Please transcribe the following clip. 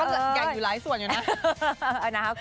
ใหญ่อยู่หลายส่วนอยู่นะ